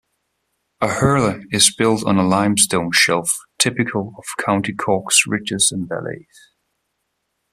Aherla is built on a limestone shelf typical of County Cork's ridges and valleys.